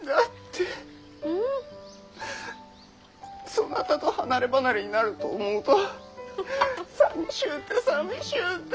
そなたと離れ離れになると思うとさみしゅうてさみしゅうて。